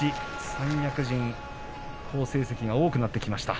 三役陣、好成績が多くなってきました。